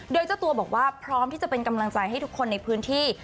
โดยเจ้าตัวบอกว่าพร้อมที่จะเป็นกำลังใจให้ทุกคนในพื้นที่